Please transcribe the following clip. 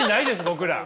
僕ら。